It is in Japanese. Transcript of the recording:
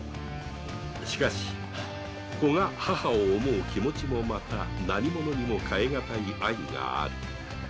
しかし子が母を思う気持ちもまた何ものにも代え難い愛がある。